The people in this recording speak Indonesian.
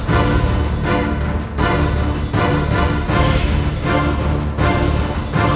perempuan bercadar itu ternyata ada